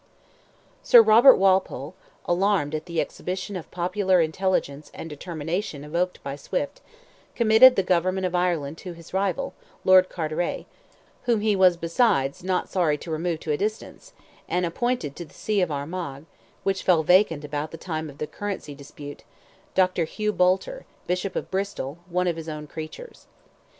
Sir Robert Walpole, alarmed at the exhibition of popular intelligence and determination evoked by Swift, committed the government of Ireland to his rival, Lord Carteret—whom he was besides not sorry to remove to a distance—and appointed to the See of Armagh, which fell vacant about the time of the currency dispute, Dr. Hugh Boulter, Bishop of Bristol, one of his own creatures.